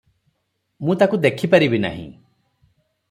ମୁଁ ତାକୁ ଦେଖିପାରିବି ନାହିଁ ।